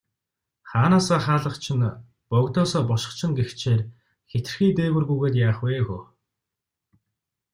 Хаанаасаа хаалгач нь, богдоосоо бошгоч нь гэгчээр хэтэрхий дээгүүр гүйгээд яах вэ хөө.